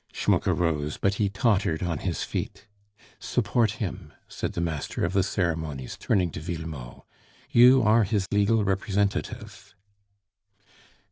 Schmucke rose, but he tottered on his feet. "Support him," said the master of the ceremonies, turning to Villemot; "you are his legal representative."